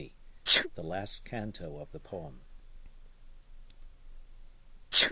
The Last Canto of the Poem.